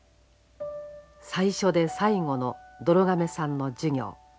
最初で最後のどろ亀さんの授業。